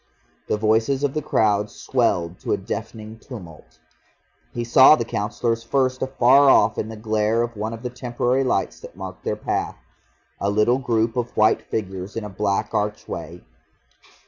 The voices of the crowd swelled to a deafening tumult. He saw the Councillors first afar off in the glare of one of the temporary lights that marked their path, a little group of white figures in a black archway.